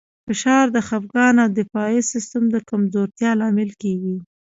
فشار د خپګان او د دفاعي سیستم د کمزورتیا لامل کېږي.